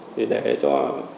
thì để cho